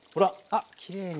あっきれいに。